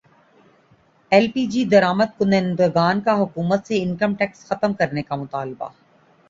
L P G درامد کنندگان کا حکومت سے انکم ٹیکس ختم کرنے کا مطالبہ